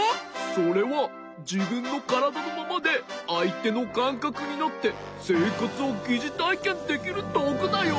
それはじぶんのからだのままであいてのかんかくになってせいかつをぎじたいけんできるどうぐだよ。